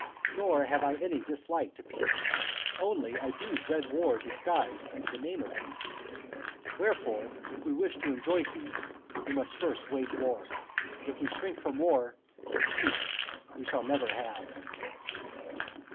Nor have I any dislike to peace; only I do dread war disguised under the name of peace. Wherefore, if we wish to enjoy peace we must first wage war. If we shrink from war, peace we shall never have.